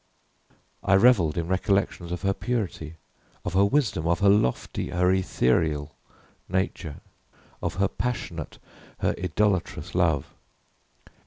I reveled in recollections of her purity, of her wisdom, of her lofty her ethereal nature, of her passionate, her idolatrous love.